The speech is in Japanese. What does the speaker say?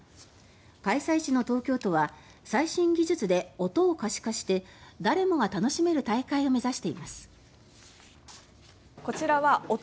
開催地の東京都は最新技術で音を可視化して誰もが楽しめる大会を目指しています。